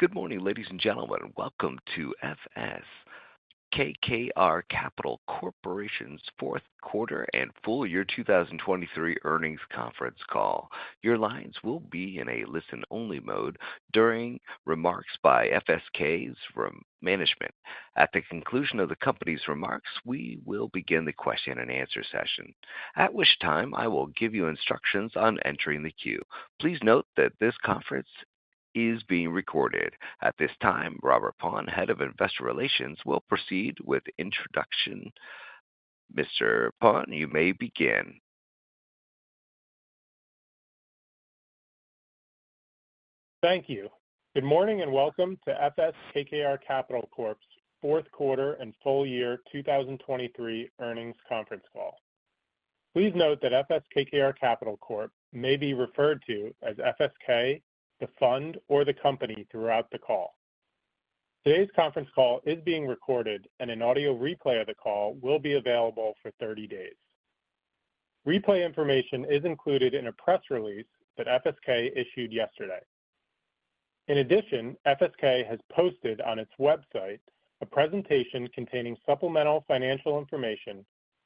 Good morning, ladies and gentlemen, and welcome to FS KKR Capital Corporation's fourth quarter and full year 2023 earnings conference call. Your lines will be in a listen-only mode during remarks by FSK's management. At the conclusion of the company's remarks, we will begin the question-and-answer session, at which time I will give you instructions on entering the queue. Please note that this conference is being recorded. At this time, Robert Paun, head of investor relations, will proceed with introduction. Mr. Paun, you may begin. Thank you. Good morning and welcome to FS KKR Capital Corp.'s fourth quarter and full year 2023 earnings conference call. Please note that FS KKR Capital Corp. may be referred to as FSK, the fund, or the company throughout the call. Today's conference call is being recorded, and an audio replay of the call will be available for 30 days. Replay information is included in a press release that FSK issued yesterday. In addition, FSK has posted on its website a presentation containing supplemental financial information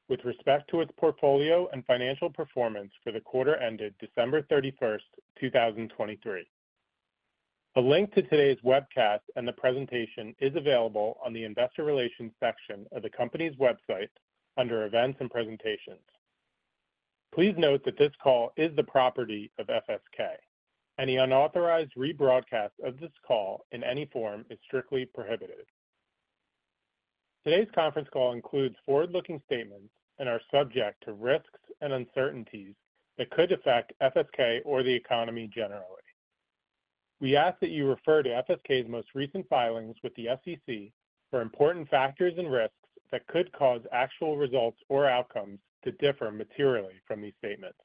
with respect to its portfolio and financial performance for the quarter ended December 31st, 2023. A link to today's webcast and the presentation is available on the investor relations section of the company's website under Events and Presentations. Please note that this call is the property of FSK. Any unauthorized rebroadcast of this call in any form is strictly prohibited. Today's conference call includes forward-looking statements and are subject to risks and uncertainties that could affect FSK or the economy generally. We ask that you refer to FSK's most recent filings with the SEC for important factors and risks that could cause actual results or outcomes to differ materially from these statements.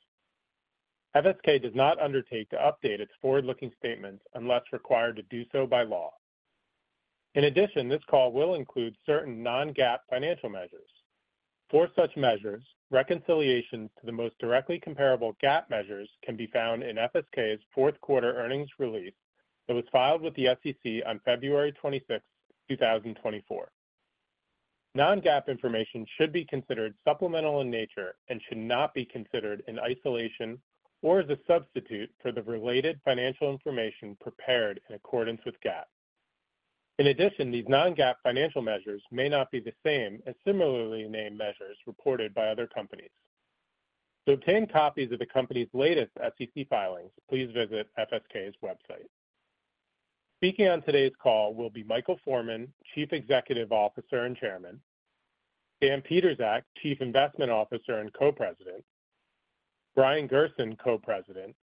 FSK does not undertake to update its forward-looking statements unless required to do so by law. In addition, this call will include certain non-GAAP financial measures. For such measures, reconciliations to the most directly comparable GAAP measures can be found in FSK's fourth quarter earnings release that was filed with the SEC on February 26, 2024. Non-GAAP information should be considered supplemental in nature and should not be considered in isolation or as a substitute for the related financial information prepared in accordance with GAAP. In addition, these non-GAAP financial measures may not be the same as similarly named measures reported by other companies. To obtain copies of the company's latest SEC filings, please visit FSK's website. Speaking on today's call will be Michael Forman, Chief Executive Officer and Chairman; Dan Pietrzak, Chief Investment Officer and Co-President; Brian Gerson, Co-President;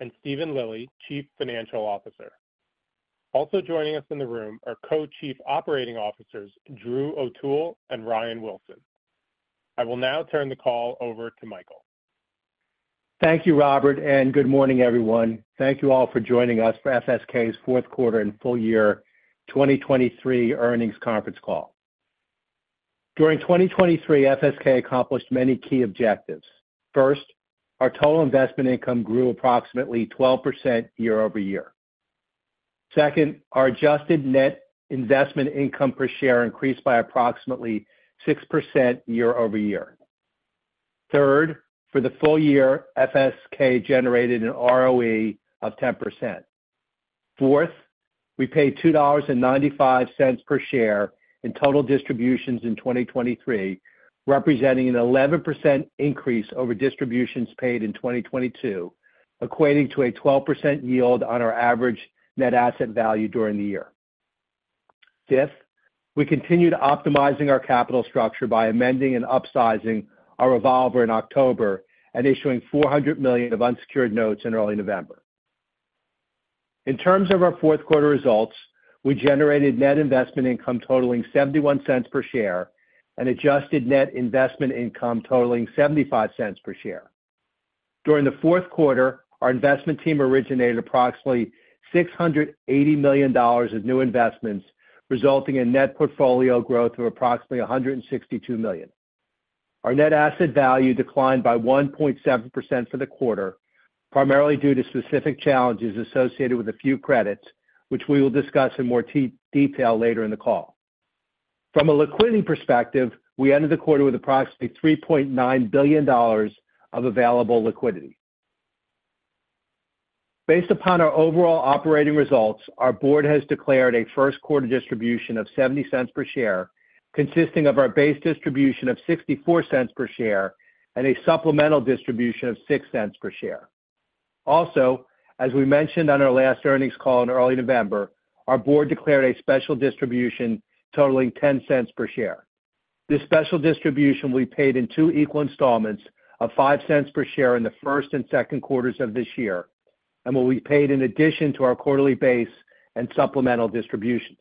and Steven Lilly, Chief Financial Officer. Also joining us in the room are Co-Chief Operating Officers Drew O'Toole and Ryan Wilson. I will now turn the call over to Michael. Thank you, Robert, and good morning, everyone. Thank you all for joining us for FSK's fourth quarter and full year 2023 earnings conference call. During 2023, FSK accomplished many key objectives. First, our total investment income grew approximately 12% year-over-year. Second, our adjusted net investment income per share increased by approximately 6% year-over-year. Third, for the full year, FSK generated an ROE of 10%. Fourth, we paid $2.95 per share in total distributions in 2023, representing an 11% increase over distributions paid in 2022, equating to a 12% yield on our average net asset value during the year. Fifth, we continued optimizing our capital structure by amending and upsizing our revolver in October and issuing $400 million of unsecured notes in early November. In terms of our fourth quarter results, we generated net investment income totaling $0.71 per share and adjusted net investment income totaling $0.75 per share. During the fourth quarter, our investment team originated approximately $680 million of new investments, resulting in net portfolio growth of approximately $162 million. Our net asset value declined by 1.7% for the quarter, primarily due to specific challenges associated with a few credits, which we will discuss in more detail later in the call. From a liquidity perspective, we ended the quarter with approximately $3.9 billion of available liquidity. Based upon our overall operating results, our board has declared a first quarter distribution of $0.70 per share, consisting of our base distribution of $0.64 per share and a supplemental distribution of $0.06 per share. Also, as we mentioned on our last earnings call in early November, our board declared a special distribution totaling $0.10 per share. This special distribution will be paid in two equal installments of $0.05 per share in the first and second quarters of this year and will be paid in addition to our quarterly base and supplemental distributions.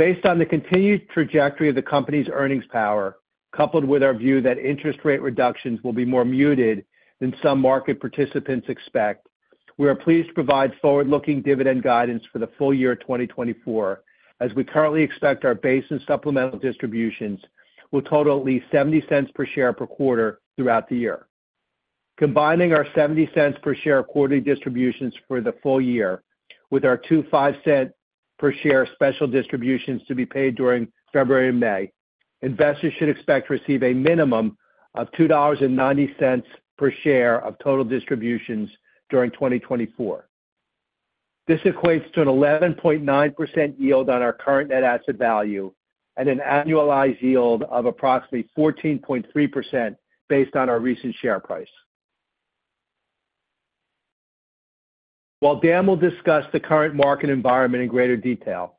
Based on the continued trajectory of the company's earnings power, coupled with our view that interest rate reductions will be more muted than some market participants expect, we are pleased to provide forward-looking dividend guidance for the full year 2024, as we currently expect our base and supplemental distributions will total at least $0.70 per share per quarter throughout the year. Combining our $0.70 per share quarterly distributions for the full year with our $0.25 per share special distributions to be paid during February and May, investors should expect to receive a minimum of $2.90 per share of total distributions during 2024. This equates to an 11.9% yield on our current net asset value and an annualized yield of approximately 14.3% based on our recent share price. While Dan will discuss the current market environment in greater detail,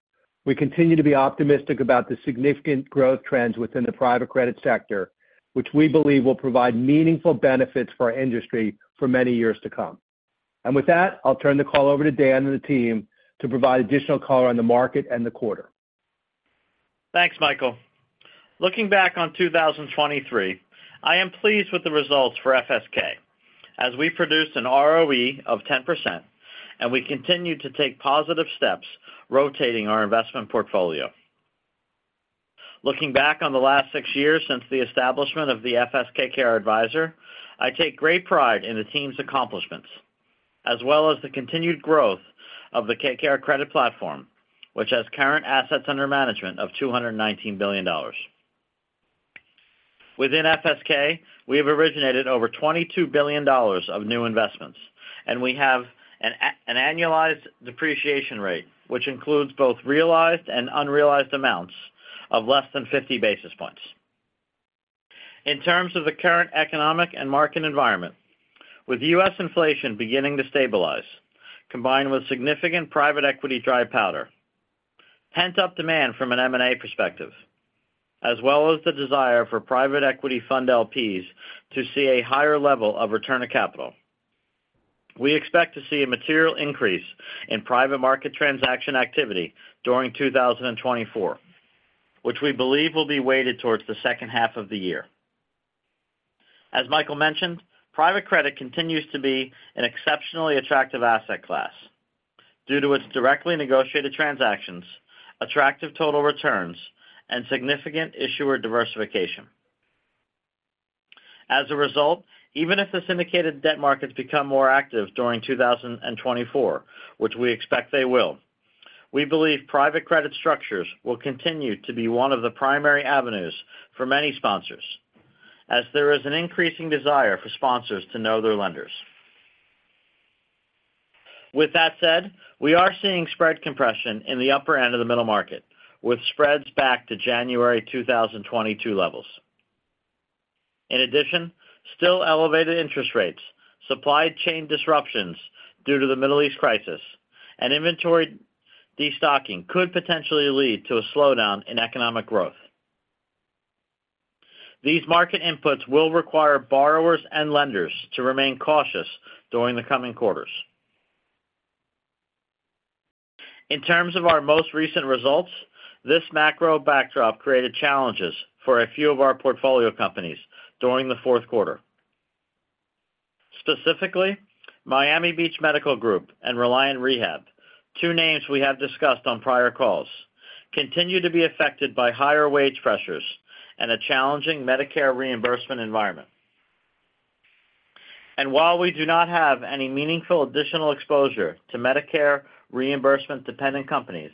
we continue to be optimistic about the significant growth trends within the private credit sector, which we believe will provide meaningful benefits for our industry for many years to come. With that, I'll turn the call over to Dan and the team to provide additional color on the market and the quarter. Thanks, Michael. Looking back on 2023, I am pleased with the results for FSK, as we produced an ROE of 10% and we continue to take positive steps rotating our investment portfolio. Looking back on the last six years since the establishment of the FS/KKR Advisor, I take great pride in the team's accomplishments, as well as the continued growth of the KKR Credit platform, which has current assets under management of $219 billion. Within FSK, we have originated over $22 billion of new investments, and we have an annualized depreciation rate, which includes both realized and unrealized amounts of less than 50 basis points. In terms of the current economic and market environment, with U.S. inflation beginning to stabilize, combined with significant private equity dry powder, pent-up demand from an M&A perspective, as well as the desire for private equity fund LPs to see a higher level of return to capital, we expect to see a material increase in private market transaction activity during 2024, which we believe will be weighted towards the second half of the year. As Michael mentioned, private credit continues to be an exceptionally attractive asset class due to its directly negotiated transactions, attractive total returns, and significant issuer diversification. As a result, even if the syndicated debt markets become more active during 2024, which we expect they will, we believe private credit structures will continue to be one of the primary avenues for many sponsors, as there is an increasing desire for sponsors to know their lenders. With that said, we are seeing spread compression in the upper end of the middle market, with spreads back to January 2022 levels. In addition, still elevated interest rates, supply chain disruptions due to the Middle East crisis, and inventory destocking could potentially lead to a slowdown in economic growth. These market inputs will require borrowers and lenders to remain cautious during the coming quarters. In terms of our most recent results, this macro backdrop created challenges for a few of our portfolio companies during the fourth quarter. Specifically, Miami Beach Medical Group and Reliant Rehab, two names we have discussed on prior calls, continue to be affected by higher wage pressures and a challenging Medicare reimbursement environment. While we do not have any meaningful additional exposure to Medicare reimbursement-dependent companies,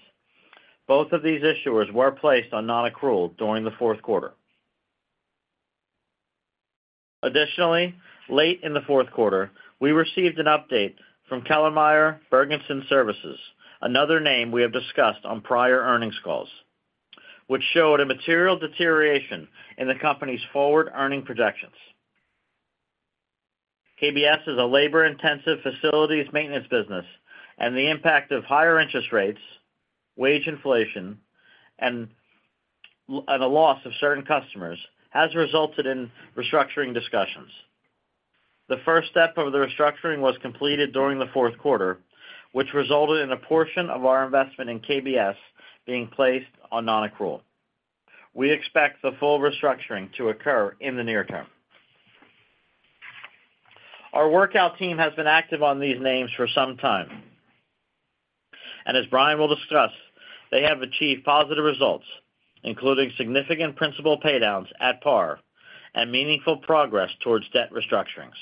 both of these issuers were placed on non-accrual during the fourth quarter. Additionally, late in the fourth quarter, we received an update from Kellermeyer Bergensons Services, another name we have discussed on prior earnings calls, which showed a material deterioration in the company's forward earning projections. KBS is a labor-intensive facilities maintenance business, and the impact of higher interest rates, wage inflation, and a loss of certain customers has resulted in restructuring discussions. The first step of the restructuring was completed during the fourth quarter, which resulted in a portion of our investment in KBS being placed on non-accrual. We expect the full restructuring to occur in the near term. Our workout team has been active on these names for some time, and as Brian will discuss, they have achieved positive results, including significant principal paydowns at par and meaningful progress towards debt restructurings.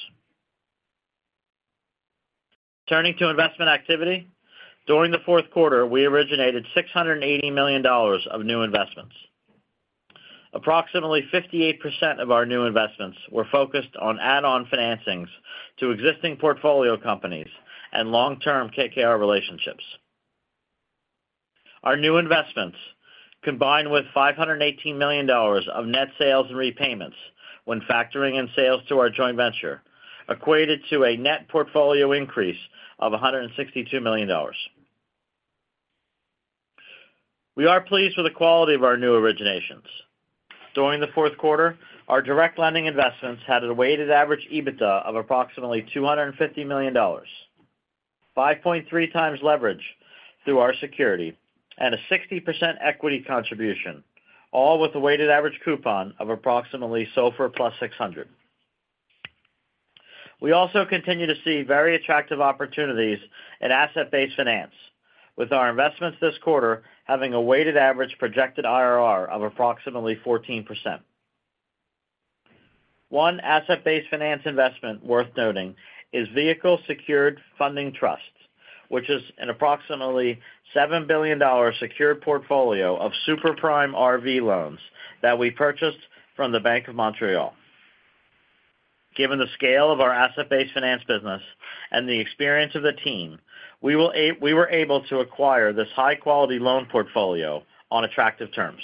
Turning to investment activity, during the fourth quarter, we originated $680 million of new investments. Approximately 58% of our new investments were focused on add-on financings to existing portfolio companies and long-term KKR relationships. Our new investments, combined with $518 million of net sales and repayments when factoring in sales to our joint venture, equated to a net portfolio increase of $162 million. We are pleased with the quality of our new originations. During the fourth quarter, our direct lending investments had a weighted average EBITDA of approximately $250 million, 5.3x leverage through our security, and a 60% equity contribution, all with a weighted average coupon of approximately SOFR + 600. We also continue to see very attractive opportunities in asset-based finance, with our investments this quarter having a weighted average projected IRR of approximately 14%. One asset-based finance investment worth noting is Vehicle Secured Funding Trust, which is an approximately $7 billion secured portfolio of super-prime RV loans that we purchased from the Bank of Montreal. Given the scale of our asset-based finance business and the experience of the team, we were able to acquire this high-quality loan portfolio on attractive terms.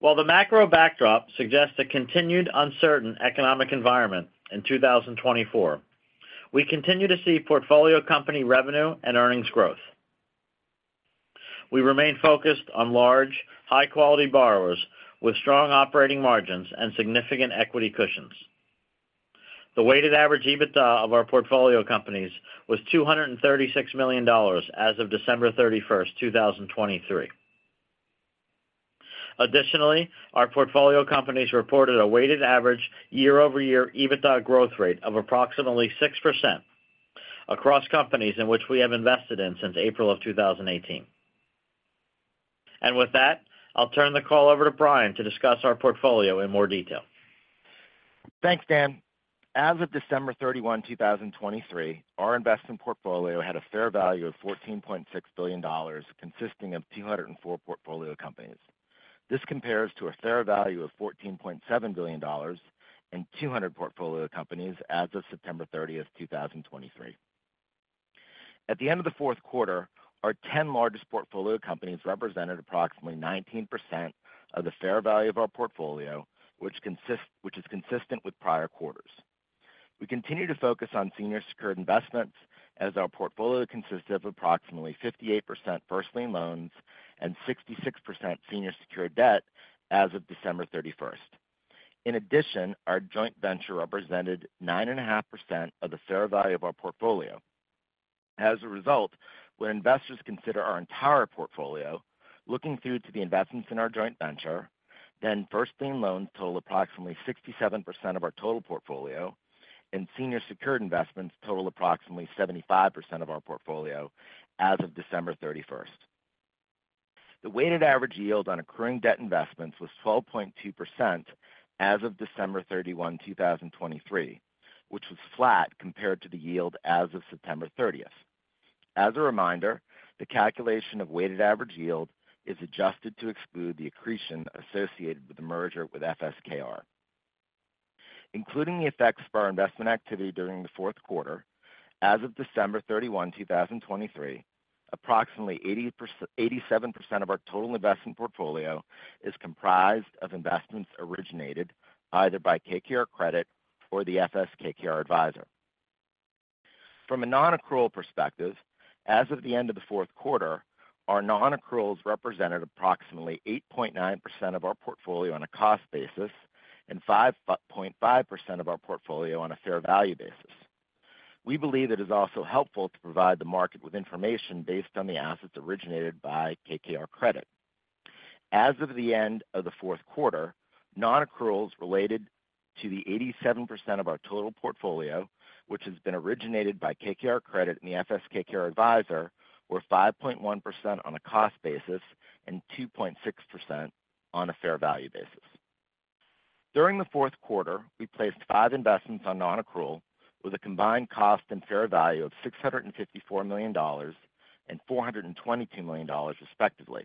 While the macro backdrop suggests a continued uncertain economic environment in 2024, we continue to see portfolio company revenue and earnings growth. We remain focused on large, high-quality borrowers with strong operating margins and significant equity cushions. The weighted average EBITDA of our portfolio companies was $236 million as of December 31, 2023. Additionally, our portfolio companies reported a weighted average year-over-year EBITDA growth rate of approximately 6% across companies in which we have invested in since April of 2018. With that, I'll turn the call over to Brian to discuss our portfolio in more detail. Thanks, Dan. As of December 31, 2023, our investment portfolio had a fair value of $14.6 billion, consisting of 204 portfolio companies. This compares to a fair value of $14.7 billion in 200 portfolio companies as of September 30, 2023. At the end of the fourth quarter, our 10 largest portfolio companies represented approximately 19% of the fair value of our portfolio, which is consistent with prior quarters. We continue to focus on senior secured investments, as our portfolio consisted of approximately 58% first lien loans and 66% senior secured debt as of December 31. In addition, our joint venture represented 9.5% of the fair value of our portfolio. As a result, when investors consider our entire portfolio, looking through to the investments in our joint venture, then first lien loans total approximately 67% of our total portfolio, and senior secured investments total approximately 75% of our portfolio as of December 31. The weighted average yield on accruing debt investments was 12.2% as of December 31, 2023, which was flat compared to the yield as of September 30. As a reminder, the calculation of weighted average yield is adjusted to exclude the accretion associated with the merger with FS KKR. Including the effects for our investment activity during the fourth quarter, as of December 31, 2023, approximately 87% of our total investment portfolio is comprised of investments originated either by KKR Credit or the FS KKR Advisor. From a non-accrual perspective, as of the end of the fourth quarter, our non-accruals represented approximately 8.9% of our portfolio on a cost basis and 5.5% of our portfolio on a fair value basis. We believe it is also helpful to provide the market with information based on the assets originated by KKR Credit. As of the end of the fourth quarter, non-accruals related to the 87% of our total portfolio, which has been originated by KKR Credit and the FS/KKR Advisor, were 5.1% on a cost basis and 2.6% on a fair value basis. During the fourth quarter, we placed five investments on non-accrual with a combined cost and fair value of $654 million and $422 million, respectively.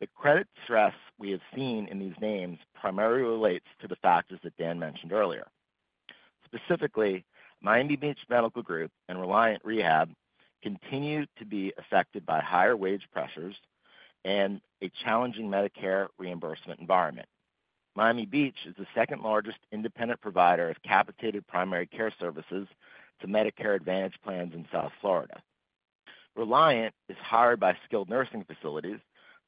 The credit stress we have seen in these names primarily relates to the factors that Dan mentioned earlier. Specifically, Miami Beach Medical Group and Reliant Rehab continue to be affected by higher wage pressures and a challenging Medicare reimbursement environment. Miami Beach is the second largest independent provider of capitated primary care services to Medicare Advantage plans in South Florida. Reliant Rehab is hired by skilled nursing facilities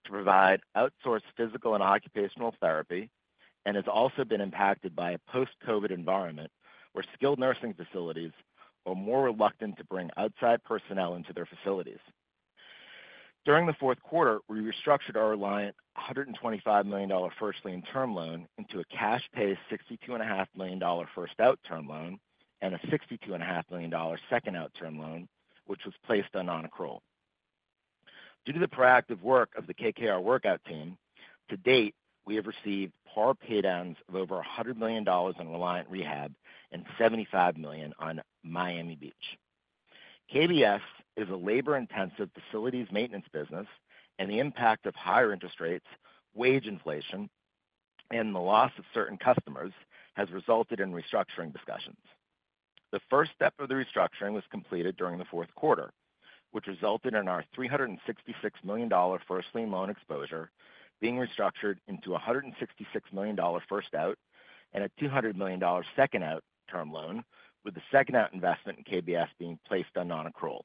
to provide outsourced physical and occupational therapy and has also been impacted by a post-COVID environment where skilled nursing facilities are more reluctant to bring outside personnel into their facilities. During the fourth quarter, we restructured our Reliant Rehab $125 million first lien term loan into a cash-pay $62.5 million first-out term loan and a $62.5 million second-out term loan, which was placed on non-accrual. Due to the proactive work of the KKR workout team, to date, we have received par paydowns of over $100 million in Reliant Rehab and $75 million in Miami Beach Medical Group. KBS is a labor-intensive facilities maintenance business, and the impact of higher interest rates, wage inflation, and the loss of certain customers has resulted in restructuring discussions. The first step of the restructuring was completed during the fourth quarter, which resulted in our $366 million first lien loan exposure being restructured into a $166 million first-out and a $200 million second-out term loan, with the second-out investment in KBS being placed on non-accrual.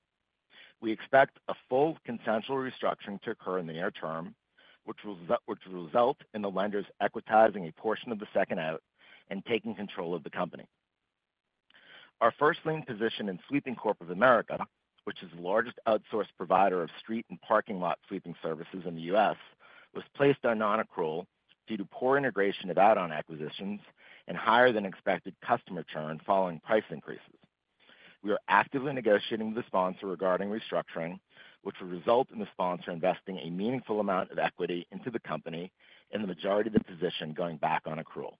We expect a full consensual restructuring to occur in the near term, which will result in the lenders equitizing a portion of the second-out and taking control of the company. Our first lien position in Sweeping Corp of America, which is the largest outsourced provider of street and parking lot sweeping services in the U.S., was placed on non-accrual due to poor integration of add-on acquisitions and higher than expected customer churn following price increases. We are actively negotiating with the sponsor regarding restructuring, which will result in the sponsor investing a meaningful amount of equity into the company and the majority of the position going back on accrual.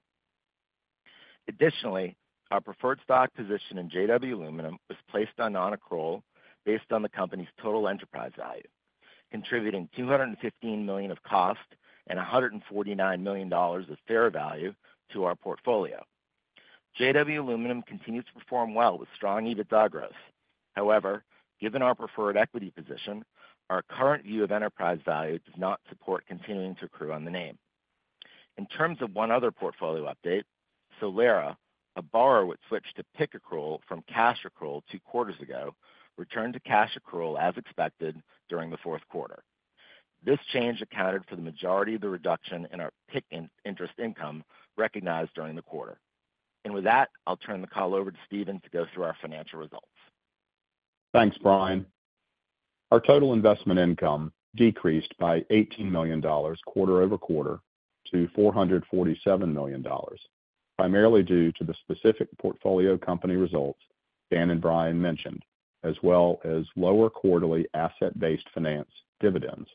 Additionally, our preferred stock position in JW Aluminum was placed on non-accrual based on the company's total enterprise value, contributing $215 million of cost and $149 million of fair value to our portfolio. JW Aluminum continues to perform well with strong EBITDA growth. However, given our preferred equity position, our current view of enterprise value does not support continuing to accrue on the name. In terms of one other portfolio update, Solera, a borrower that switched to PIK accrual from cash accrual two quarters ago, returned to cash accrual as expected during the fourth quarter. This change accounted for the majority of the reduction in our PIK interest income recognized during the quarter. With that, I'll turn the call over to Steven to go through our financial results. Thanks, Brian. Our total investment income decreased by $18 million quarter-over-quarter to $447 million, primarily due to the specific portfolio company results Dan and Brian mentioned, as well as lower quarterly asset-based finance dividends.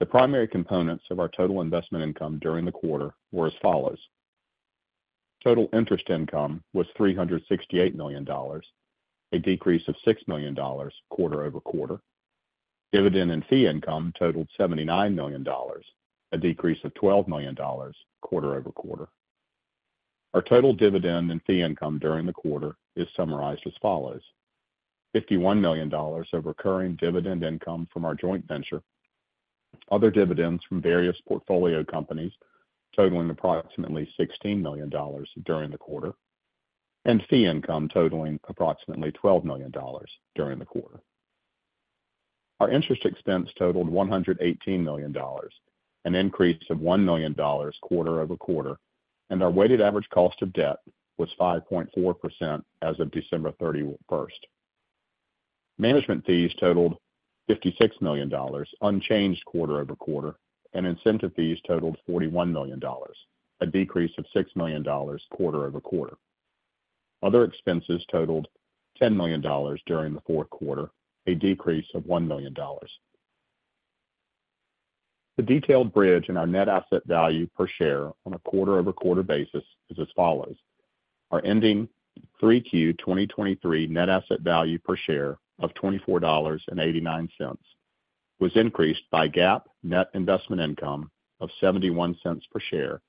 The primary components of our total investment income during the quarter were as follows. Total interest income was $368 million, a decrease of $6 million quarter-over-quarter. Dividend and fee income totaled $79 million, a decrease of $12 million quarter-over-quarter. Our total dividend and fee income during the quarter is summarized as follows: $51 million of recurring dividend income from our joint venture, other dividends from various portfolio companies totaling approximately $16 million during the quarter, and fee income totaling approximately $12 million during the quarter. Our interest expense totaled $118 million, an increase of $1 million quarter-over-quarter, and our weighted average cost of debt was 5.4% as of December 31. Management fees totaled $56 million unchanged quarter-over-quarter, and incentive fees totaled $41 million, a decrease of $6 million quarter-over-quarter. Other expenses totaled $10 million during the fourth quarter, a decrease of $1 million. The detailed bridge in our net asset value per share on a quarter-over-quarter basis is as follows. Our ending 3Q 2023 net asset value per share of $24.89 was increased by GAAP net investment income of $0.71 per share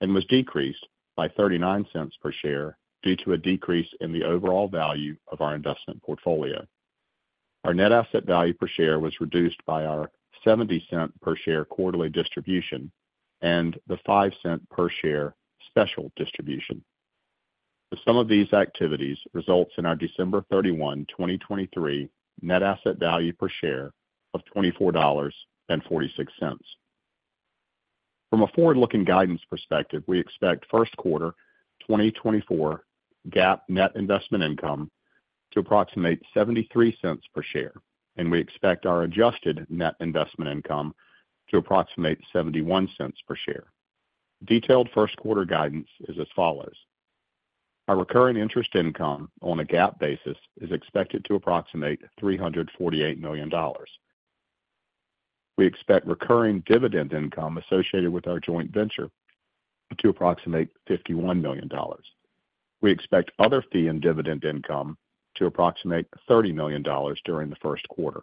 and was decreased by $0.39 per share due to a decrease in the overall value of our investment portfolio. Our net asset value per share was reduced by our $0.70 per share quarterly distribution and the $0.05 per share special distribution. The sum of these activities results in our December 31, 2023 net asset value per share of $24.46. From a forward-looking guidance perspective, we expect first quarter 2024 GAAP net investment income to approximate $0.73 per share, and we expect our adjusted net investment income to approximate $0.71 per share. Detailed first quarter guidance is as follows. Our recurring interest income on a GAAP basis is expected to approximate $348 million. We expect recurring dividend income associated with our joint venture to approximate $51 million. We expect other fee and dividend income to approximate $30 million during the first quarter.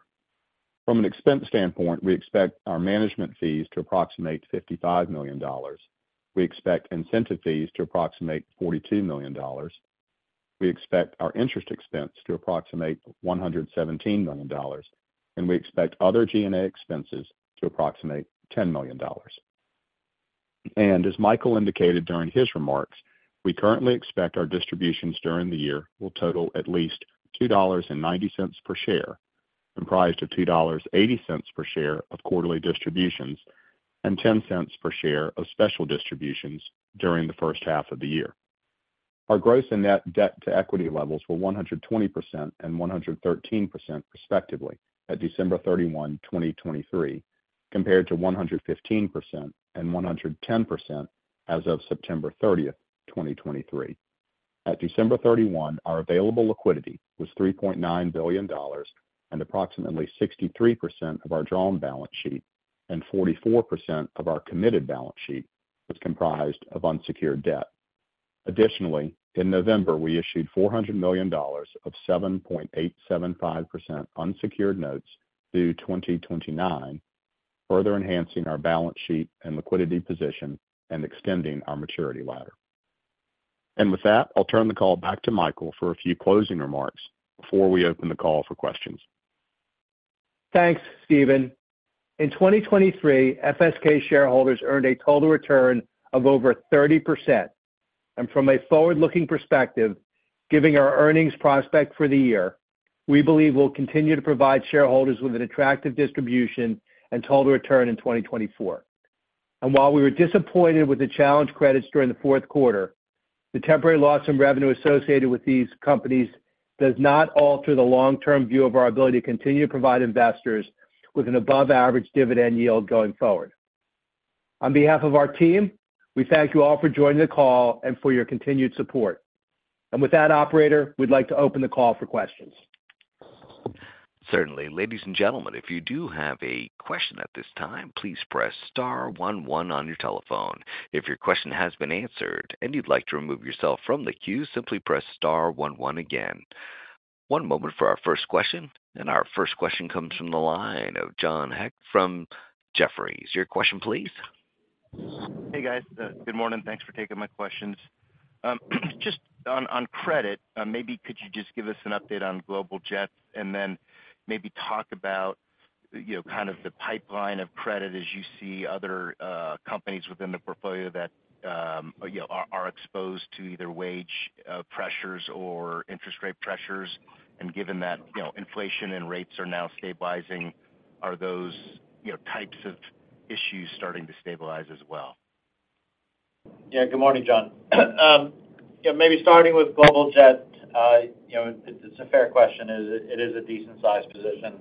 From an expense standpoint, we expect our management fees to approximate $55 million. We expect incentive fees to approximate $42 million. We expect our interest expense to approximate $117 million, and we expect other G&A expenses to approximate $10 million. As Michael indicated during his remarks, we currently expect our distributions during the year will total at least $2.90 per share, comprised of $2.80 per share of quarterly distributions and $0.10 per share of special distributions during the first half of the year. Our gross and net debt to equity levels were 120% and 113% respectively at December 31, 2023, compared to 115% and 110% as of September 30, 2023. At December 31, our available liquidity was $3.9 billion and approximately 63% of our drawn balance sheet and 44% of our committed balance sheet was comprised of unsecured debt. Additionally, in November, we issued $400 million of 7.875% unsecured notes due 2029, further enhancing our balance sheet and liquidity position and extending our maturity ladder. With that, I'll turn the call back to Michael for a few closing remarks before we open the call for questions. Thanks, Steven. In 2023, FSK shareholders earned a total return of over 30%. From a forward-looking perspective, given our earnings prospect for the year, we believe we'll continue to provide shareholders with an attractive distribution and total return in 2024. While we were disappointed with the challenge credits during the fourth quarter, the temporary loss in revenue associated with these companies does not alter the long-term view of our ability to continue to provide investors with an above-average dividend yield going forward. On behalf of our team, we thank you all for joining the call and for your continued support. With that, operator, we'd like to open the call for questions. Certainly. Ladies and gentlemen, if you do have a question at this time, please press star 11 on your telephone. If your question has been answered and you'd like to remove yourself from the queue, simply press star 11 again. One moment for our first question, and our first question comes from the line of John Hecht from Jefferies. Your question, please. Hey, guys. Good morning. Thanks for taking my questions. Just on credit, maybe could you just give us an update on Global Jets and then maybe talk about kind of the pipeline of credit as you see other companies within the portfolio that are exposed to either wage pressures or interest rate pressures. And given that inflation and rates are now stabilizing, are those types of issues starting to stabilize as well? Yeah. Good morning, John. Maybe starting with Global Jets, it's a fair question. It is a decent-sized position.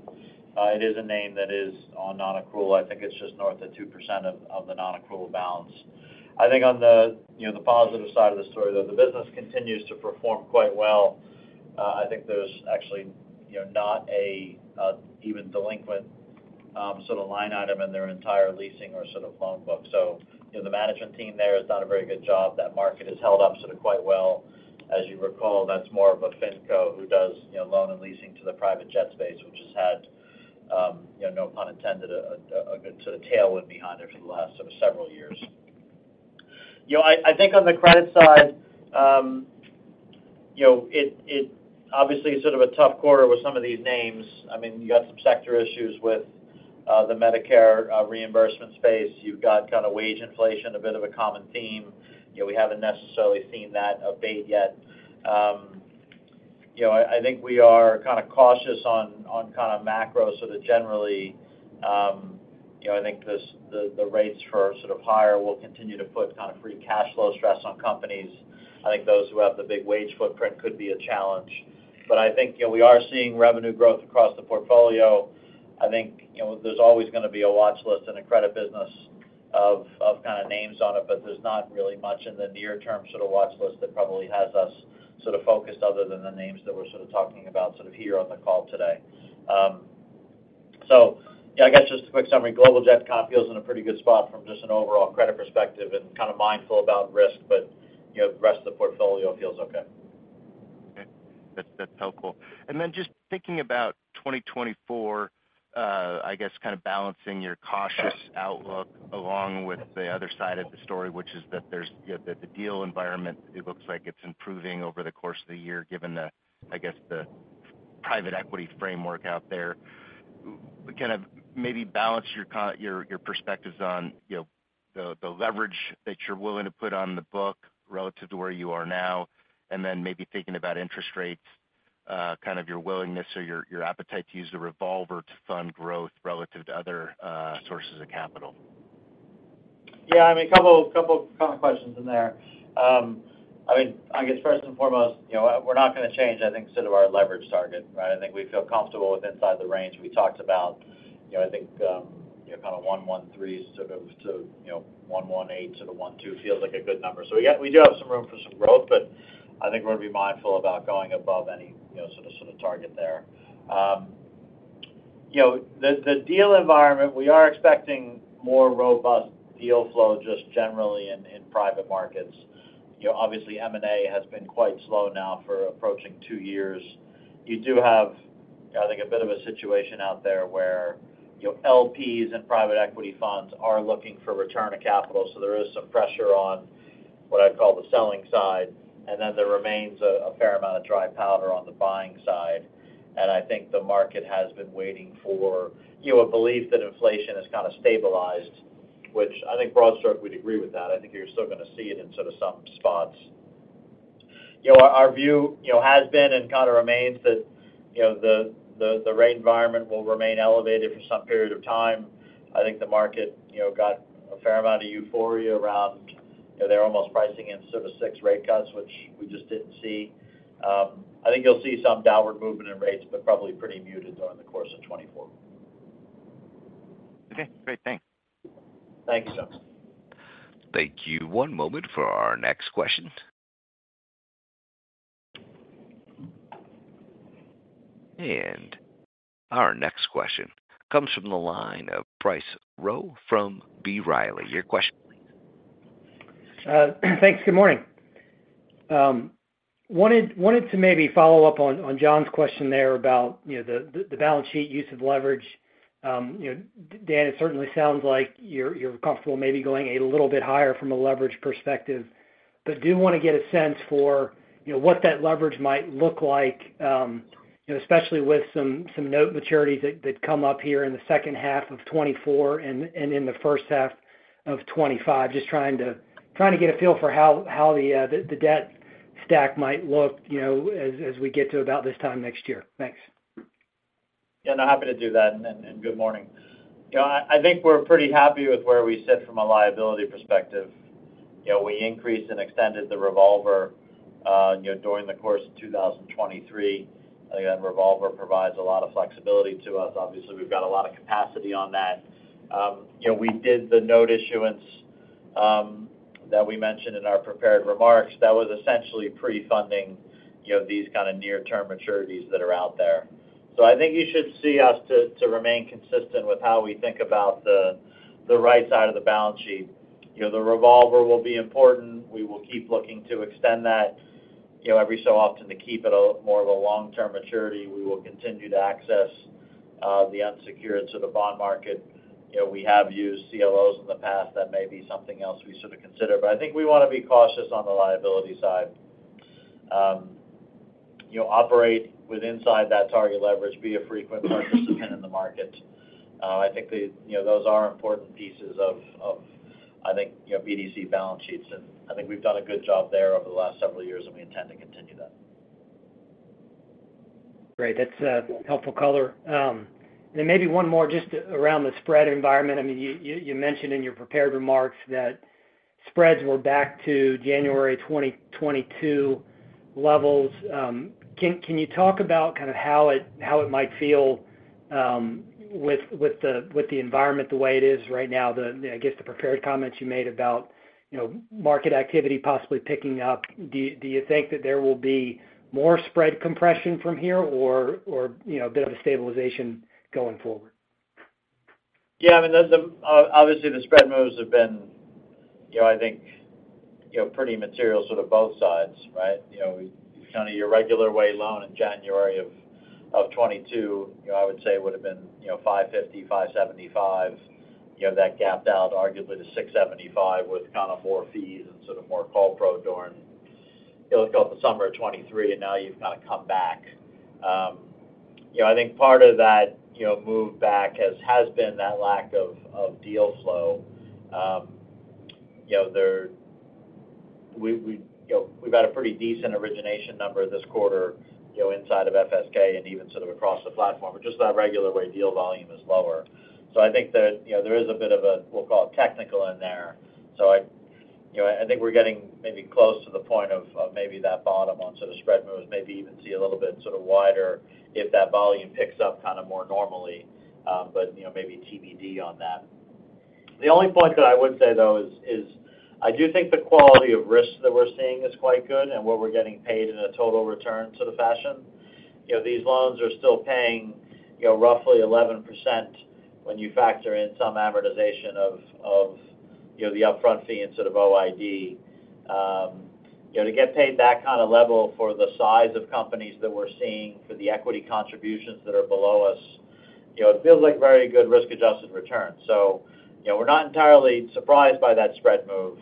It is a name that is on non-accrual. I think it's just north of 2% of the non-accrual balance. I think on the positive side of the story, though, the business continues to perform quite well. I think there's actually not even delinquent sort of line item in their entire leasing or sort of loan book. So the management team there has done a very good job. That market has held up sort of quite well. As you recall, that's more of a finco who does loan and leasing to the private jet space, which has had, no pun intended, a good sort of tailwind behind it for the last sort of several years. I think on the credit side, it obviously is sort of a tough quarter with some of these names. I mean, you got some sector issues with the Medicare reimbursement space. You've got kind of wage inflation, a bit of a common theme. We haven't necessarily seen that abate yet. I think we are kind of cautious on kind of macro sort of generally. I think the rates, for sure, higher will continue to put kind of free cash flow stress on companies. I think those who have the big wage footprint could be a challenge. But I think we are seeing revenue growth across the portfolio. I think there's always going to be a watchlist and a credit business of kind of names on it, but there's not really much in the near-term sort of watchlist that probably has us sort of focused other than the names that we're sort of talking about sort of here on the call today. So yeah, I guess just a quick summary, Global Jets kind of feels in a pretty good spot from just an overall credit perspective and kind of mindful about risk, but the rest of the portfolio feels okay. That's helpful. And then just thinking about 2024, I guess kind of balancing your cautious outlook along with the other side of the story, which is that the deal environment, it looks like it's improving over the course of the year given the, I guess, the private equity framework out there. Kind of maybe balance your perspectives on the leverage that you're willing to put on the book relative to where you are now, and then maybe thinking about interest rates, kind of your willingness or your appetite to use the revolver to fund growth relative to other sources of capital. Yeah. I mean, a couple of common questions in there. I mean, I guess first and foremost, we're not going to change, I think, sort of our leverage target, right? I think we feel comfortable with inside the range we talked about. I think kind of 1.13 sort of to 1.18 to the 1.2 feels like a good number. So we do have some room for some growth, but I think we're going to be mindful about going above any sort of target there. The deal environment, we are expecting more robust deal flow just generally in private markets. Obviously, M&A has been quite slow now for approaching 2 years. You do have, I think, a bit of a situation out there where LPs and private equity funds are looking for return to capital. So there is some pressure on what I'd call the selling side, and then there remains a fair amount of dry powder on the buying side. And I think the market has been waiting for a belief that inflation has kind of stabilized, which I think broad stroke, we'd agree with that. I think you're still going to see it in sort of some spots. Our view has been and kind of remains that the rate environment will remain elevated for some period of time. I think the market got a fair amount of euphoria around their almost pricing in sort of 6 rate cuts, which we just didn't see. I think you'll see some downward movement in rates, but probably pretty muted during the course of 2024. Okay. Great. Thanks. Thank you, John. Thank you. One moment for our next question. Our next question comes from the line of Bryce Rowe from B. Riley. Your question, please. Thanks. Good morning. Wanted to maybe follow up on John's question there about the balance sheet use of leverage. Dan, it certainly sounds like you're comfortable maybe going a little bit higher from a leverage perspective, but do want to get a sense for what that leverage might look like, especially with some note maturities that come up here in the second half of 2024 and in the first half of 2025, just trying to get a feel for how the debt stack might look as we get to about this time next year. Thanks. Yeah. No, happy to do that. And good morning. I think we're pretty happy with where we sit from a liability perspective. We increased and extended the revolver during the course of 2023. I think that revolver provides a lot of flexibility to us. Obviously, we've got a lot of capacity on that. We did the note issuance that we mentioned in our prepared remarks. That was essentially pre-funding these kind of near-term maturities that are out there. So I think you should see us to remain consistent with how we think about the right side of the balance sheet. The revolver will be important. We will keep looking to extend that every so often to keep it more of a long-term maturity. We will continue to access the unsecured sort of bond market. We have used CLOs in the past. That may be something else we sort of consider. But I think we want to be cautious on the liability side. Operate within that target leverage. Be a frequent participant in the market. I think those are important pieces of, I think, BDC balance sheets. And I think we've done a good job there over the last several years, and we intend to continue that. Great. That's a helpful color. And then maybe one more just around the spread environment. I mean, you mentioned in your prepared remarks that spreads were back to January 2022 levels. Can you talk about kind of how it might feel with the environment the way it is right now? I guess the prepared comments you made about market activity possibly picking up, do you think that there will be more spread compression from here or a bit of a stabilization going forward? Yeah. I mean, obviously, the spread moves have been, I think, pretty material sort of both sides, right? Kind of your regular way loan in January 2022, I would say, would have been 550, 575, that gapped out arguably to 675 with kind of more fees and sort of more call pro during the summer of 2023, and now you've kind of come back. I think part of that move back has been that lack of deal flow. We've had a pretty decent origination number this quarter inside of FSK and even sort of across the platform. But just that regular way deal volume is lower. So I think there is a bit of a, we'll call it, technical in there. So I think we're getting maybe close to the point of maybe that bottom on sort of spread moves, maybe even see a little bit sort of wider if that volume picks up kind of more normally, but maybe TBD on that. The only point that I would say, though, is I do think the quality of risk that we're seeing is quite good and what we're getting paid in a total return sort of fashion. These loans are still paying roughly 11% when you factor in some amortization of the upfront fee and sort of OID. To get paid that kind of level for the size of companies that we're seeing for the equity contributions that are below us, it feels like very good risk-adjusted return. So we're not entirely surprised by that spread move.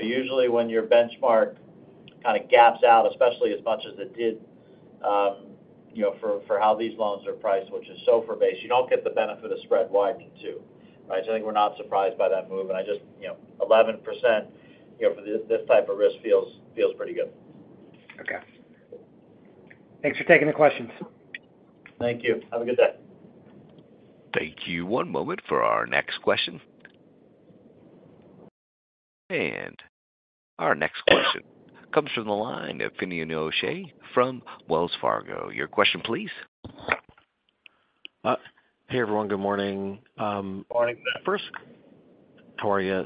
Usually, when your benchmark kind of gaps out, especially as much as it did for how these loans are priced, which is SOFR-based, you don't get the benefit of spread widening too, right? So I think we're not surprised by that move. And I just 11% for this type of risk feels pretty good. Okay. Thanks for taking the questions. Thank you. Have a good day. Thank you. One moment for our next question. Our next question comes from the line of Finian O'Shea from Wells Fargo. Your question, please. Hey, everyone. Good morning. Good morning. First? How are you?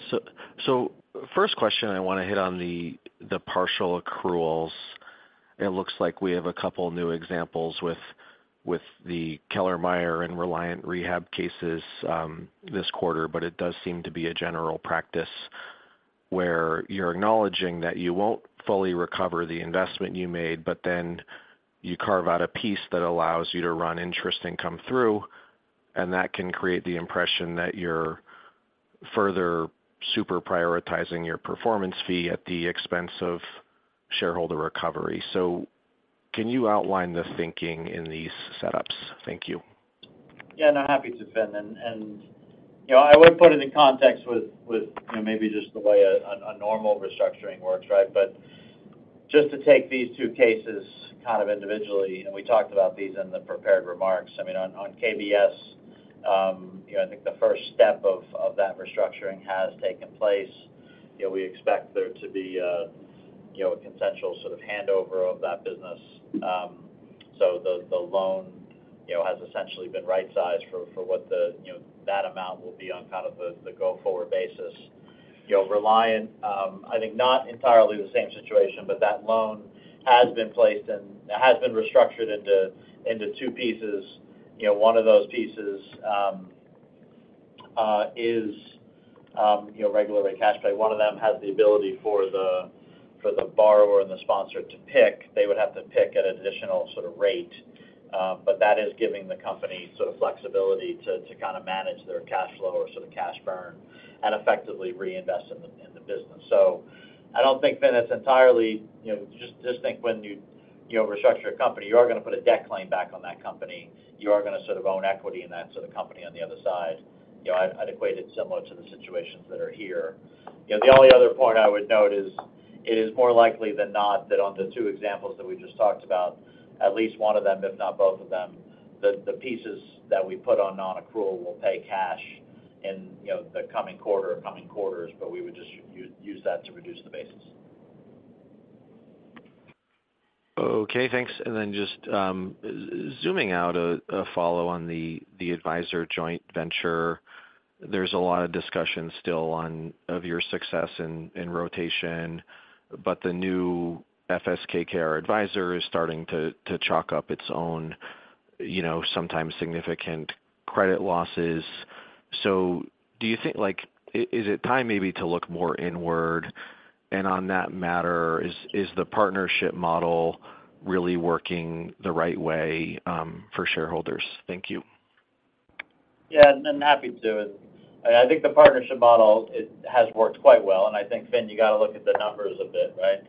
So first question, I want to hit on the partial accruals. It looks like we have a couple of new examples with the Kellermeyer and Reliant Rehab cases this quarter, but it does seem to be a general practice where you're acknowledging that you won't fully recover the investment you made, but then you carve out a piece that allows you to run interest income through, and that can create the impression that you're further super-prioritizing your performance fee at the expense of shareholder recovery. So can you outline the thinking in these setups? Thank you. Yeah. No, happy to, Finn. And I would put it in context with maybe just the way a normal restructuring works, right? But just to take these two cases kind of individually, and we talked about these in the prepared remarks. I mean, on KBS, I think the first step of that restructuring has taken place. We expect there to be a consensual sort of handover of that business. So the loan has essentially been right-sized for what that amount will be on kind of the go-forward basis. Reliant, I think, not entirely the same situation, but that loan has been placed and has been restructured into two pieces. One of those pieces is regular rate cash pay. One of them has the ability for the borrower and the sponsor to pick. They would have to pick at an additional sort of rate, but that is giving the company sort of flexibility to kind of manage their cash flow or sort of cash burn and effectively reinvest in the business. So I don't think, Finn, it's entirely just think when you restructure a company, you are going to put a debt claim back on that company. You are going to sort of own equity in that sort of company on the other side. I'd equate it similar to the situations that are here. The only other point I would note is it is more likely than not that on the 2 examples that we just talked about, at least 1 of them, if not both of them, the pieces that we put on non-accrual will pay cash in the coming quarter or coming quarters, but we would just use that to reduce the basis. Okay. Thanks. And then just zooming out, a follow on the advisor joint venture. There's a lot of discussion still of your success in rotation, but the new FS KKR Advisor is starting to chalk up its own sometimes significant credit losses. So do you think is it time maybe to look more inward? And on that matter, is the partnership model really working the right way for shareholders? Thank you. Yeah. And happy to. And I think the partnership model, it has worked quite well. And I think, Finn, you got to look at the numbers a bit, right?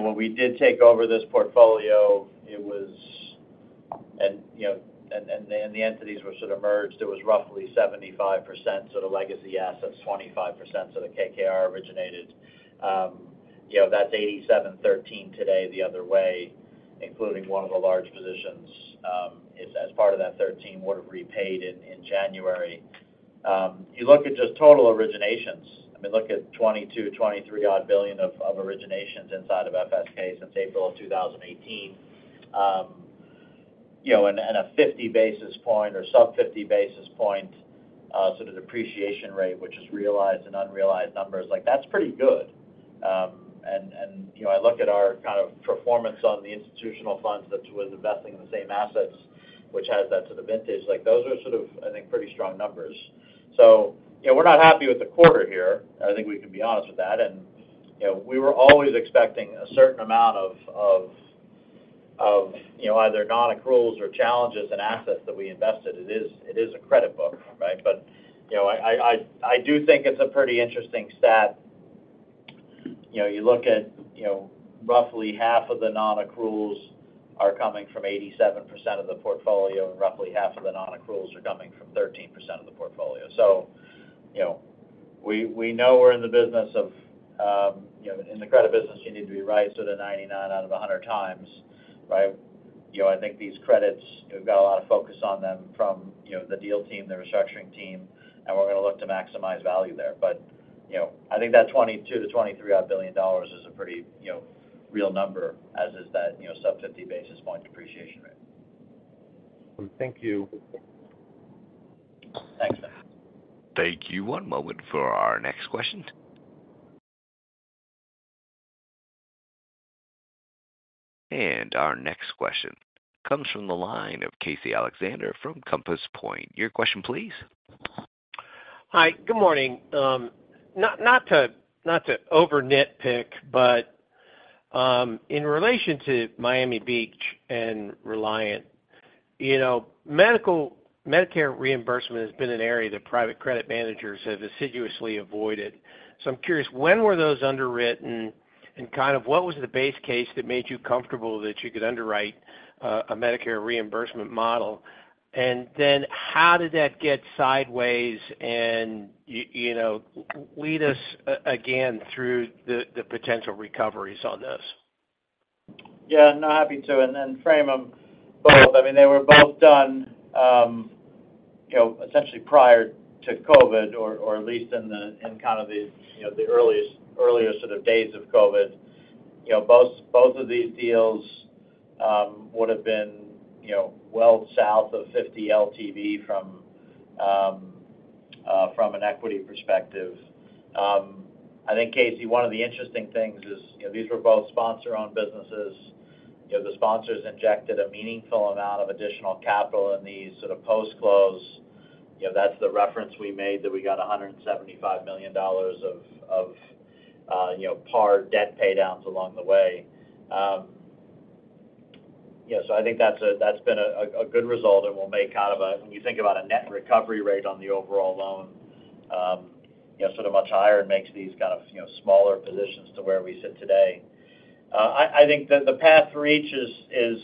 When we did take over this portfolio, it was and the entities were sort of merged. It was roughly 75% sort of legacy assets, 25% sort of KKR originated. That's 87%-13% today the other way, including one of the large positions as part of that 13% would have repaid in January. You look at just total originations. I mean, look at $22-$23 billion of originations inside of FSK since April of 2018. And a 50 basis point or sub-50 basis point sort of depreciation rate, which is realized and unrealized numbers, that's pretty good. And I look at our kind of performance on the institutional funds that was investing in the same assets, which has that sort of vintage. Those are sort of, I think, pretty strong numbers. So we're not happy with the quarter here. I think we can be honest with that. And we were always expecting a certain amount of either non-accruals or challenges in assets that we invested. It is a credit book, right? But I do think it's a pretty interesting stat. You look at roughly half of the non-accruals are coming from 87% of the portfolio, and roughly half of the non-accruals are coming from 13% of the portfolio. So we know we're in the business of in the credit business, you need to be right sort of 99 out of 100 times, right? I think these credits, we've got a lot of focus on them from the deal team, the restructuring team, and we're going to look to maximize value there. But I think that $22 billion-$23-odd billion is a pretty real number as is that sub-50 basis point depreciation rate. Thank you. Thanks, Finn. Thank you. One moment for our next question. Our next question comes from the line of Casey Alexander from Compass Point. Your question, please. Hi. Good morning. Not to over-nitpick, but in relation to Miami Beach and Reliant, Medicare reimbursement has been an area that private credit managers have assiduously avoided. So I'm curious, when were those underwritten, and kind of what was the base case that made you comfortable that you could underwrite a Medicare reimbursement model? And then how did that get sideways and lead us again through the potential recoveries on those? Yeah. No, happy to. And then frame them both. I mean, they were both done essentially prior to COVID or at least in kind of the earliest sort of days of COVID. Both of these deals would have been well south of 50 LTV from an equity perspective. I think, Casey, one of the interesting things is these were both sponsor-owned businesses. The sponsors injected a meaningful amount of additional capital in these sort of post-close. That's the reference we made that we got $175 million of par debt paydowns along the way. So I think that's been a good result, and we'll make kind of a when you think about a net recovery rate on the overall loan, sort of much higher and makes these kind of smaller positions to where we sit today. I think that the path to reach is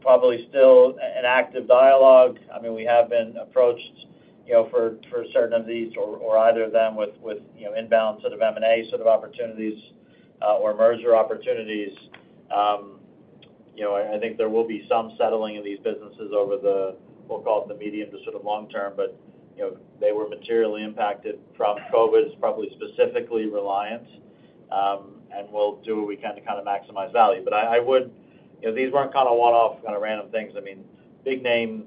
probably still an active dialogue. I mean, we have been approached for certain of these or either of them with inbound sort of M&A sort of opportunities or merger opportunities. I think there will be some settling in these businesses over the, we'll call it, the medium to sort of long term, but they were materially impacted from COVID, probably specifically Reliant, and we'll do what we can to kind of maximize value. But I would these weren't kind of one-off, kind of random things. I mean, big name,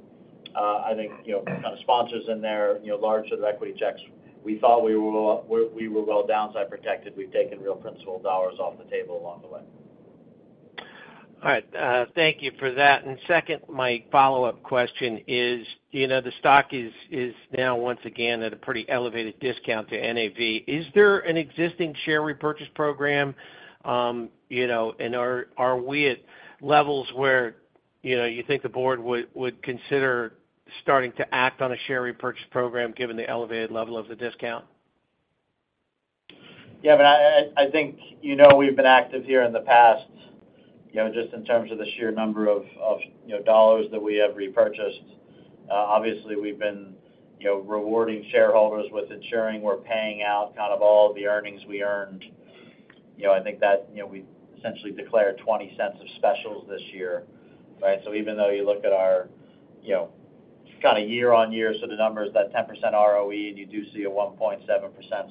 I think, kind of sponsors in there, large sort of equity checks. We thought we were well downside protected. We've taken real principal dollars off the table along the way. All right. Thank you for that. Second, my follow-up question is the stock is now once again at a pretty elevated discount to NAV. Is there an existing share repurchase program? Are we at levels where you think the board would consider starting to act on a share repurchase program given the elevated level of the discount? Yeah. I mean, I think we've been active here in the past just in terms of the sheer number of dollars that we have repurchased. Obviously, we've been rewarding shareholders with ensuring we're paying out kind of all the earnings we earned. I think that we essentially declared $0.20 of specials this year, right? So even though you look at our kind of year-on-year sort of numbers, that 10% ROE, and you do see a 1.7%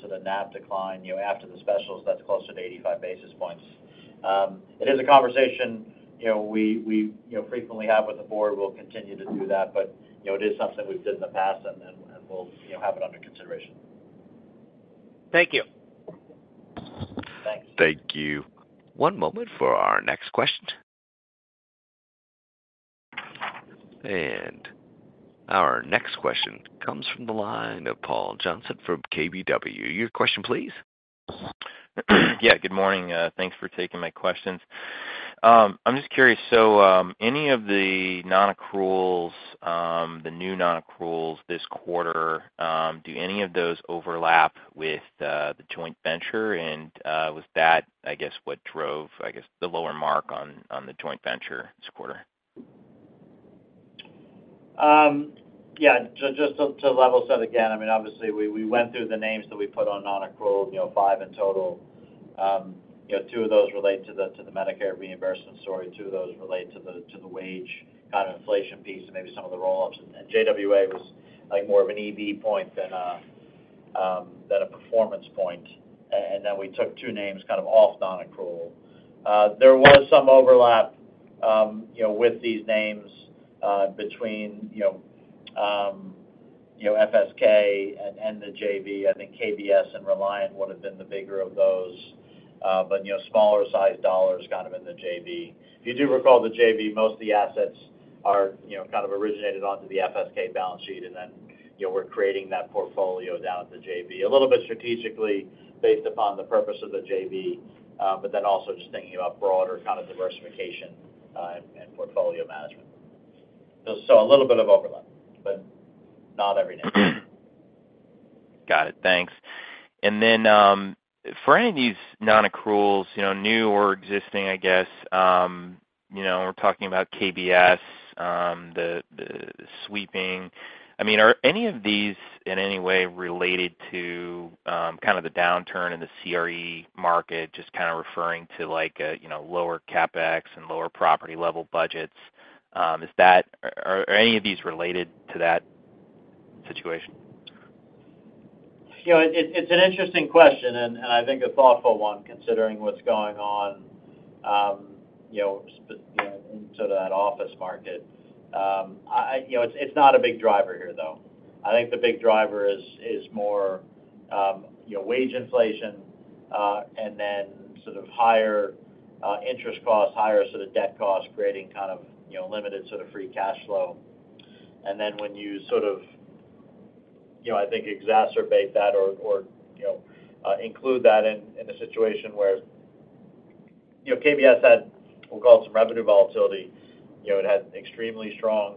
sort of NAV decline after the specials, that's closer to 85 basis points. It is a conversation we frequently have with the board. We'll continue to do that, but it is something we've did in the past, and we'll have it under consideration. Thank you. Thanks. Thank you. One moment for our next question. Our next question comes from the line of Paul Johnson from KBW. Your question, please. Yeah. Good morning. Thanks for taking my questions. I'm just curious, so any of the non-accruals, the new non-accruals this quarter, do any of those overlap with the joint venture? Was that, I guess, what drove, I guess, the lower mark on the joint venture this quarter? Yeah. Just to level set again, I mean, obviously, we went through the names that we put on non-accrual, five in total. Two of those relate to the Medicare reimbursement story. Two of those relate to the wage kind of inflation piece and maybe some of the roll-ups. And JWA was more of an EV point than a performance point. And then we took two names kind of off non-accrual. There was some overlap with these names between FSK and the JV. I think KBS and Reliant would have been the bigger of those, but smaller-sized dollars kind of in the JV. If you do recall the JV, most of the assets kind of originated onto the FSK balance sheet, and then we're creating that portfolio down at the JV, a little bit strategically based upon the purpose of the JV, but then also just thinking about broader kind of diversification and portfolio management. So a little bit of overlap, but not every name. Got it. Thanks. And then for any of these non-accruals, new or existing, I guess, we're talking about KBS, the sweeping. I mean, are any of these in any way related to kind of the downturn in the CRE market, just kind of referring to lower CapEx and lower property-level budgets? Are any of these related to that situation? It's an interesting question, and I think a thoughtful one considering what's going on in sort of that office market. It's not a big driver here, though. I think the big driver is more wage inflation and then sort of higher interest costs, higher sort of debt costs creating kind of limited sort of free cash flow. And then when you sort of, I think, exacerbate that or include that in a situation where KBS had, we'll call it some revenue volatility. It had extremely strong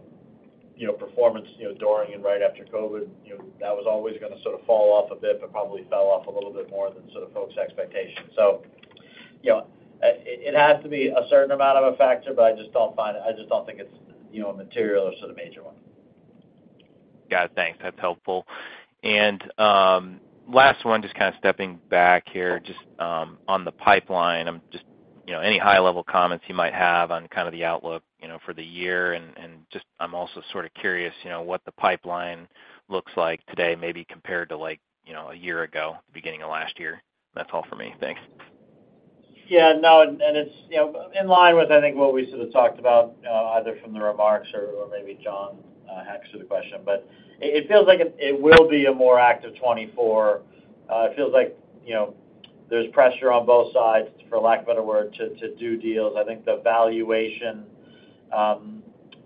performance during and right after COVID. That was always going to sort of fall off a bit but probably fell off a little bit more than sort of folks' expectations. So it has to be a certain amount of a factor, but I just don't find it I just don't think it's a material or sort of major one. Got it. Thanks. That's helpful. And last one, just kind of stepping back here, just on the pipeline, any high-level comments you might have on kind of the outlook for the year? And just I'm also sort of curious what the pipeline looks like today, maybe compared to a year ago, beginning of last year. That's all for me. Thanks. Yeah. No. And it's in line with, I think, what we sort of talked about either from the remarks or maybe John Heck to the question. But it feels like it will be a more active 2024. It feels like there's pressure on both sides, for lack of a better word, to do deals. I think the valuation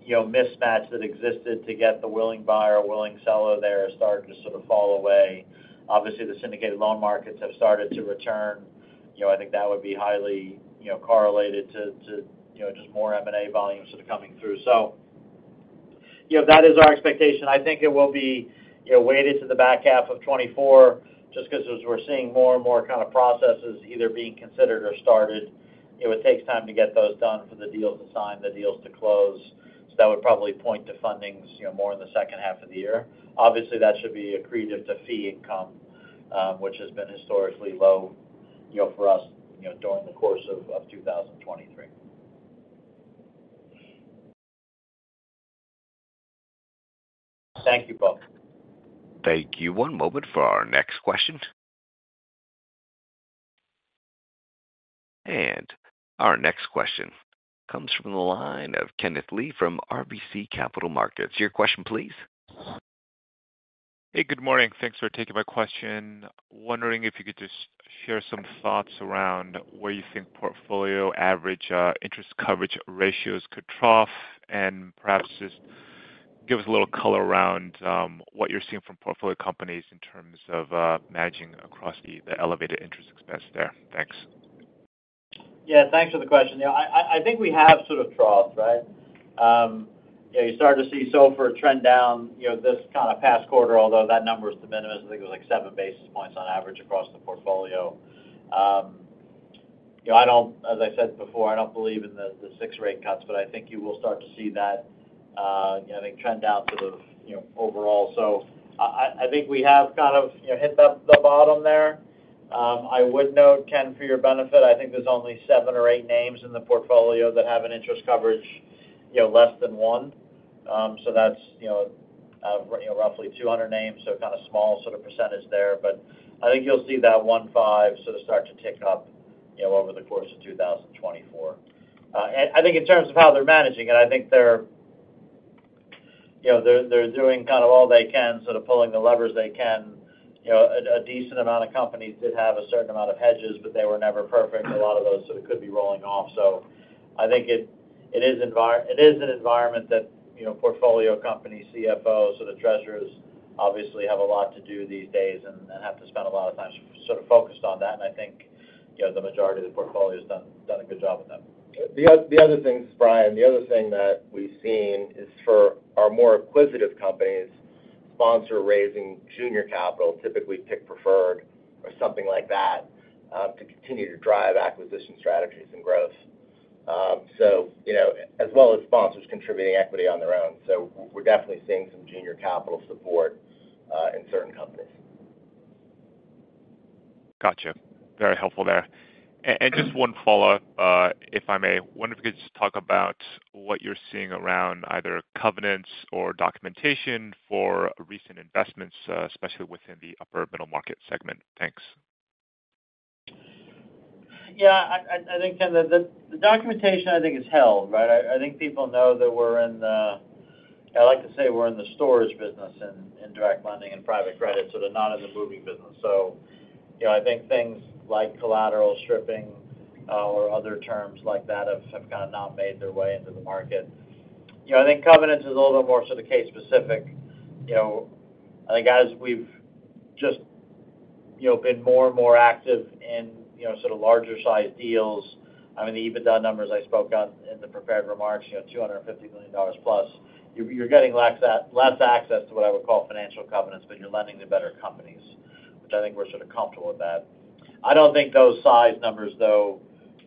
mismatch that existed to get the willing buyer, willing seller there started to sort of fall away. Obviously, the syndicated loan markets have started to return. I think that would be highly correlated to just more M&A volume sort of coming through. So that is our expectation. I think it will be weighted to the back half of 2024 just because we're seeing more and more kind of processes either being considered or started. It takes time to get those done, for the deals to sign, the deals to close. So that would probably point to fundings more in the second half of the year. Obviously, that should be accretive to fee income, which has been historically low for us during the course of 2023. Thank you, Paul. Thank you. One moment for our next question. Our next question comes from the line of Kenneth Lee from RBC Capital Markets. Your question, please. Hey. Good morning. Thanks for taking my question. Wondering if you could just share some thoughts around where you think portfolio average interest coverage ratios could trough and perhaps just give us a little color around what you're seeing from portfolio companies in terms of managing across the elevated interest expense there? Thanks. Yeah. Thanks for the question. I think we have sort of troughs, right? You start to see SOFR trend down this kind of past quarter, although that number is to a minimum. I think it was like 7 basis points on average across the portfolio. As I said before, I don't believe in the 6 rate cuts, but I think you will start to see that, I think, trend down sort of overall. So I think we have kind of hit the bottom there. I would note, Ken, for your benefit, I think there's only 7 or 8 names in the portfolio that have an interest coverage less than 1. So that's roughly 200 names, so kind of small sort of percentage there. But I think you'll see that 1.5 sort of start to tick up over the course of 2024. I think in terms of how they're managing it, I think they're doing kind of all they can, sort of pulling the levers they can. A decent amount of companies did have a certain amount of hedges, but they were never perfect. A lot of those sort of could be rolling off. So I think it is an environment that portfolio companies, CFOs, sort of treasurers, obviously have a lot to do these days and have to spend a lot of time sort of focused on that. And I think the majority of the portfolio has done a good job with that. The other thing, Brian, the other thing that we've seen is for our more acquisitive companies, sponsor-raising junior capital, typically preferred or something like that to continue to drive acquisition strategies and growth, as well as sponsors contributing equity on their own. We're definitely seeing some junior capital support in certain companies. Gotcha. Very helpful there. And just one follow-up, if I may. I wonder if you could just talk about what you're seeing around either covenants or documentation for recent investments, especially within the upper middle market segment. Thanks. Yeah. I think, Ken, the documentation, I think, is held, right? I think people know that we're in the I like to say we're in the storage business in direct lending and private credit, sort of not in the moving business. So I think things like collateral stripping or other terms like that have kind of not made their way into the market. I think covenants is a little bit more sort of case-specific. I think as we've just been more and more active in sort of larger-sized deals I mean, the EBITDA numbers I spoke on in the prepared remarks, $250 million plus, you're getting less access to what I would call financial covenants, but you're lending to better companies, which I think we're sort of comfortable with that. I don't think those size numbers, though,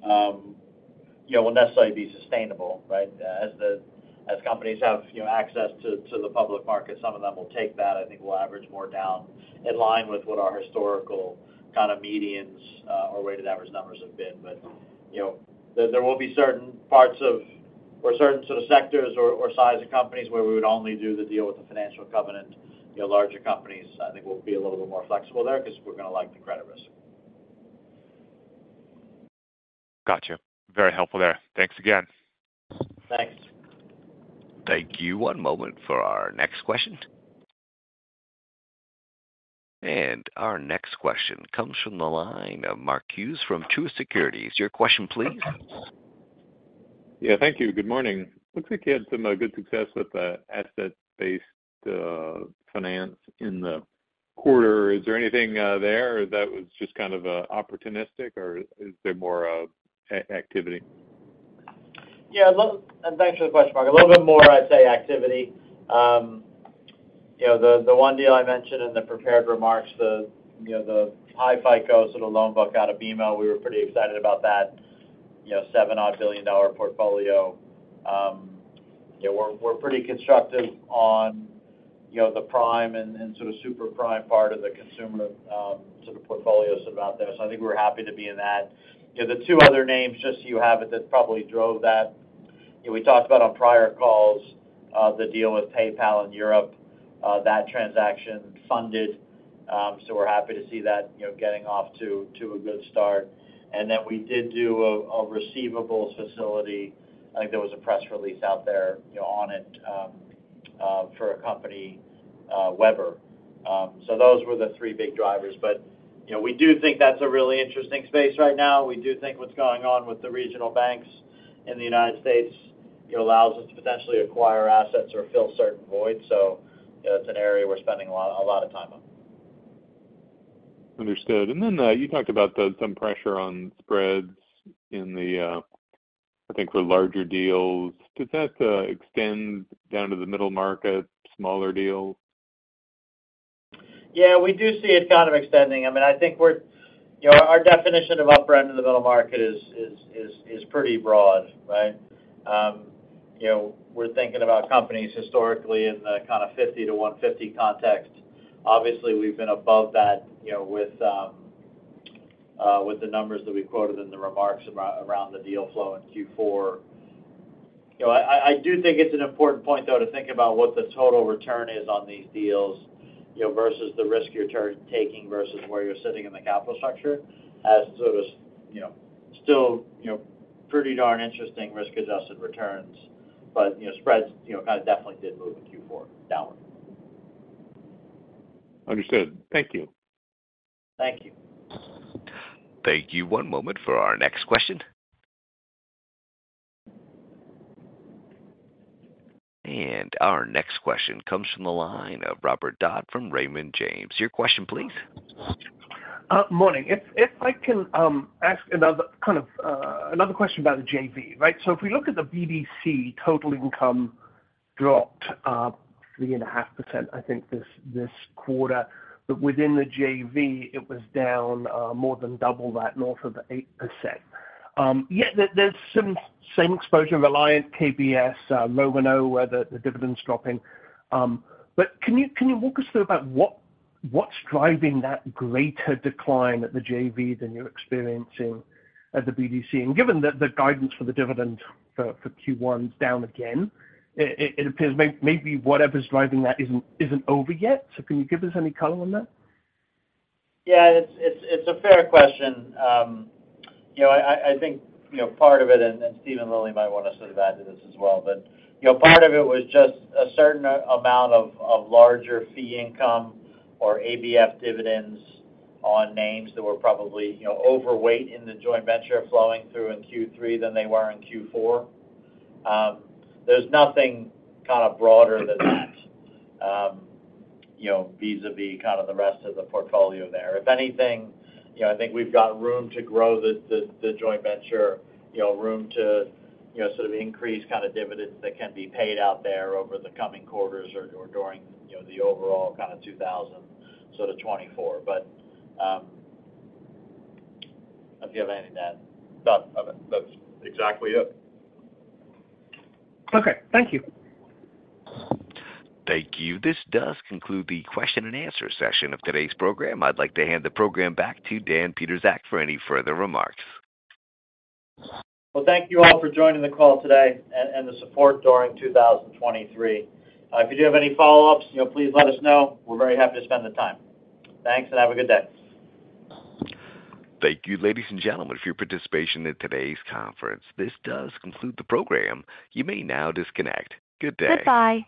will necessarily be sustainable, right? As companies have access to the public market, some of them will take that. I think we'll average more down in line with what our historical kind of medians or weighted average numbers have been. But there will be certain parts of or certain sort of sectors or size of companies where we would only do the deal with the financial covenant. Larger companies, I think, will be a little bit more flexible there because we're going to like the credit risk. Gotcha. Very helpful there. Thanks again. Thanks. Thank you. One moment for our next question. Our next question comes from the line of Mark Hughes from Truist Securities. Your question, please. Yeah. Thank you. Good morning. Looks like you had some good success with the asset-based finance in the quarter. Is there anything there that was just kind of opportunistic, or is there more activity? Yeah. Thanks for the question, Mark. A little bit more, I'd say, activity. The one deal I mentioned in the prepared remarks, the high FICO sort of loan book out of BMO, we were pretty excited about that $7 billion portfolio. We're pretty constructive on the prime and sort of super prime part of the consumer sort of portfolio sort of out there. So I think we were happy to be in that. The two other names, just so you have it, that probably drove that we talked about on prior calls, the deal with PayPal in Europe, that transaction funded. So we're happy to see that getting off to a good start. And then we did do a receivables facility. I think there was a press release out there on it for a company, Weber. So those were the three big drivers. We do think that's a really interesting space right now. We do think what's going on with the regional banks in the United States allows us to potentially acquire assets or fill certain voids. It's an area we're spending a lot of time on. Understood. And then you talked about some pressure on spreads in the, I think, for larger deals. Does that extend down to the middle market, smaller deals? Yeah. We do see it kind of extending. I mean, I think our definition of upper end of the middle market is pretty broad, right? We're thinking about companies historically in the kind of 50-150 context. Obviously, we've been above that with the numbers that we quoted in the remarks around the deal flow in Q4. I do think it's an important point, though, to think about what the total return is on these deals versus the risk you're taking versus where you're sitting in the capital structure has sort of still pretty darn interesting risk-adjusted returns. But spreads kind of definitely did move in Q4 downward. Understood. Thank you. Thank you. Thank you. One moment for our next question. Our next question comes from the line of Robert Dodd from Raymond James. Your question, please. Morning. If I can ask another kind of another question about the JV, right? So if we look at the BDC, total income dropped 3.5%, I think, this quarter. But within the JV, it was down more than double that, north of 8%. Yet there's some same exposure: Reliant, KBS, Rubio’s, where the dividend's dropping. But can you walk us through about what's driving that greater decline at the JV than you're experiencing at the BDC? And given that the guidance for the dividend for Q1's down again, it appears maybe whatever's driving that isn't over yet. So can you give us any color on that? Yeah. It's a fair question. I think part of it and Steven Lilly might want to sort of add to this as well. But part of it was just a certain amount of larger fee income or ABF dividends on names that were probably overweight in the joint venture flowing through in Q3 than they were in Q4. There's nothing kind of broader than that vis-à-vis kind of the rest of the portfolio there. If anything, I think we've got room to grow the joint venture, room to sort of increase kind of dividends that can be paid out there over the coming quarters or during the overall kind of 2024. But if you have anything to add. That's exactly it. Okay. Thank you. Thank you. This does conclude the question-and-answer session of today's program. I'd like to hand the program back to Dan Pietrzak for any further remarks. Well, thank you all for joining the call today and the support during 2023. If you do have any follow-ups, please let us know. We're very happy to spend the time. Thanks, and have a good day. Thank you, ladies and gentlemen, for your participation in today's conference. This does conclude the program. You may now disconnect. Good day. Goodbye.